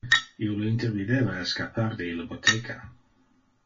Io le intervideva escappar de ille boteca.